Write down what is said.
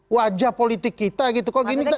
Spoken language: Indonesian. wajah politik kita gitu